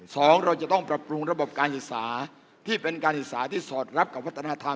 เราจะต้องปรับปรุงระบบการศึกษาที่เป็นการศึกษาที่สอดรับกับวัฒนธรรม